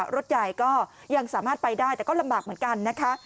รถใหญ่ก็ยังสามารถไปได้แต่ก็ลำบากเหมือนกันนะคะ